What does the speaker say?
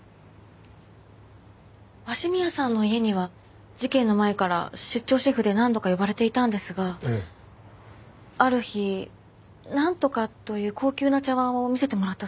鷲宮さんの家には事件の前から出張シェフで何度か呼ばれていたんですがある日なんとかという高級な茶碗を見せてもらったそうです。